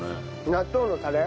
納豆のタレ？